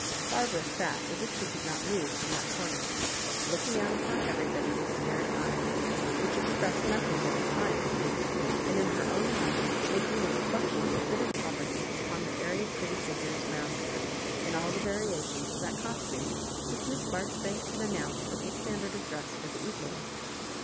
Bar bara sat as if she could not move from that' cor ner, looking out upon everybody with scared eyes, which expressed nothing but deflance, and in her own mind making the reflections of bitter poverty upon the airy pretty figures round her, in all the variations of that costume which Miss Marjoribanks had announced as the standard of dress for the evening.